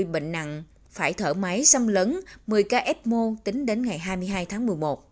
ba trăm năm mươi bệnh nặng phải thở máy xâm lấn một mươi ca fmo tính đến ngày hai mươi hai tháng một mươi một